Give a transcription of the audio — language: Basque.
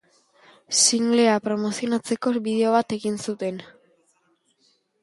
Singlea promozionatzeko bideo bat egin zuten.